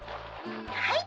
「はい。